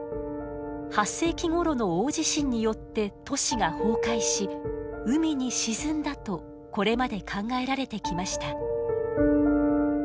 ８世紀ごろの大地震によって都市が崩壊し海に沈んだとこれまで考えられてきました。